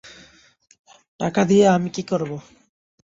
টাকা দিয়ে আমি কী করব?